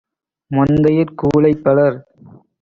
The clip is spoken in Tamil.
மொந்தையிற் கூழைப் - பலர்